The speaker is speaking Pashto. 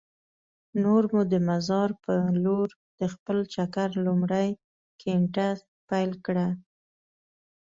نور مو د مزار په لور د خپل چکر لومړۍ ګېنټه پیل کړه.